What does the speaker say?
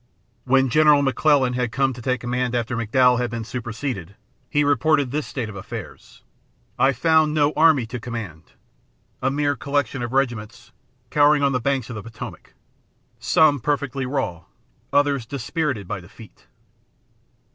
When General McClellan came to take command after McDowell had been superseded, he reported this state of affairs: "I found no army to command a mere collection of regiments cowering on the banks of the Potomac, some perfectly raw, others dispirited by defeat."